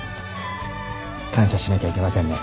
感謝しなきゃいけませんね